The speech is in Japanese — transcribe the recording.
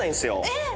えっ！